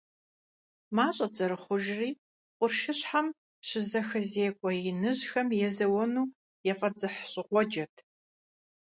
МащӀэт зэрыхъужри, къуршыщхьэм щызэхэзекӀуэ иныжьхэм езэуэну яфӀэдзыхьщӀыгъуэджэт.